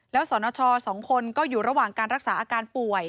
แล้วสนช๒คนก็อยู่ระหว่างการรักษาอาการป่วย